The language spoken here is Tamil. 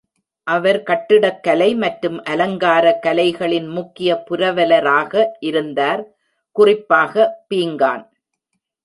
அவர் கட்டிடக்கலை மற்றும் அலங்கார கலைகளின் முக்கிய புரவலராக இருந்தார், குறிப்பாக பீங்கான்.